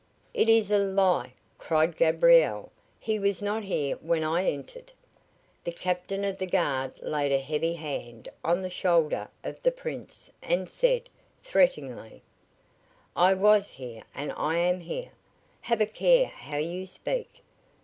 "It is a lie!" cried Gabriel. "He was not here when I entered!" The captain of the guard laid a heavy hand on the shoulder of the Prince and said, threateningly: "I was here and I am here. Have a care how you speak.